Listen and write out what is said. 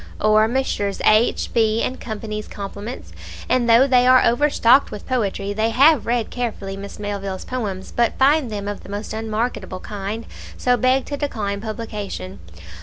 Or "Messrs. H , B ,& Co.'s compliments, and though they are overstocked with poetry, they have read carefully Miss Melville's poems, but find them of the most unmarketable kind, so beg to decline publication."